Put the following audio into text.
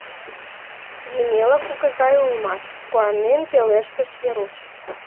— Емела кугызай улмаш! — куанен пелештыш Веруш.